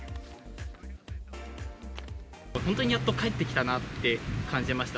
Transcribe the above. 本当にやっと帰ってきたなって感じました。